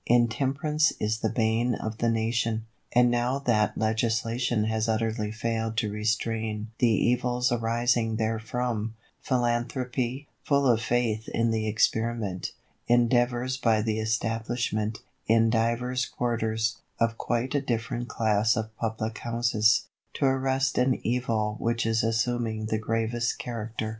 Intemperance is the bane of the nation. And now that legislation has utterly failed to restrain the evils arising therefrom, philanthropy, full of faith in the experiment, endeavours by the establishment, in divers quarters, of quite a different class of "Public Houses," to arrest an evil which is assuming the gravest character.